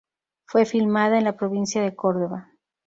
Fue filmada en la provincia de Córdoba.